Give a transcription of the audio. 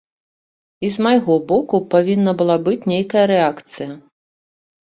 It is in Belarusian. І з майго боку павінна была быць нейкая рэакцыя.